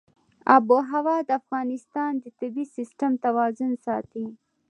آب وهوا د افغانستان د طبعي سیسټم توازن ساتي.